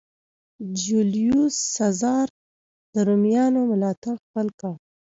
جیولیوس سزار د رومیانو ملاتړ خپل کړ.